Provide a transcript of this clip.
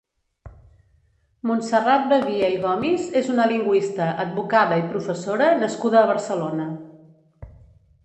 Montserrat Badia i Gomis és una lingüista, advocada i professora nascuda a Barcelona.